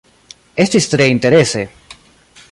Estis tre interese